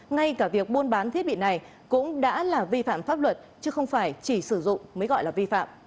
ngay cả việc buôn bán thiết bị này cũng đã là vi phạm pháp luật chứ không phải chỉ sử dụng mới gọi là vi phạm